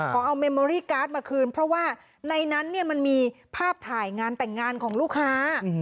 ขอเอาเมมอรี่การ์ดมาคืนเพราะว่าในนั้นเนี่ยมันมีภาพถ่ายงานแต่งงานของลูกค้า